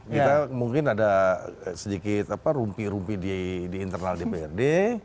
kita mungkin ada sedikit rumpi rumpi di internal dprd